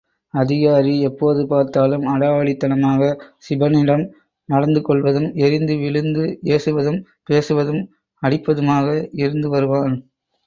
அதிகாரி எப்போது பார்த்தாலும் அடாவடித்தனமாக சிபனிடம் நடந்து கொள்வதும், எரிந்து விழுந்து ஏசுவதும் பேசுவதும், அடிப்பதுமாக இருந்து வருவான்.